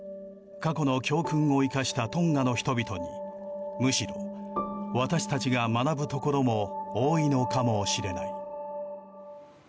過去の教訓を生かしたトンガの人々にむしろ、私たちが学ぶところも多いのかもしれない。